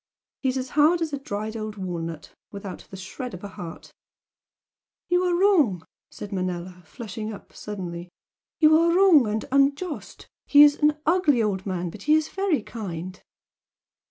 He's as hard as a dried old walnut, without the shred of a heart " "You are wrong!" said Manella, flushing up suddenly "You are wrong and unjust! He is an ugly old man, but he is very kind."